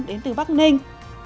đến từ bắc ninh